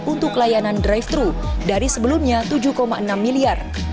untuk layanan drive thru dari sebelumnya tujuh enam miliar